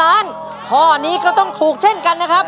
ถ้าจะลุ้นเงินล้านข้อนี้ก็ต้องถูกเช่นกันนะครับ